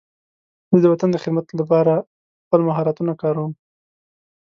زه د وطن د خدمت لپاره خپل مهارتونه کاروم.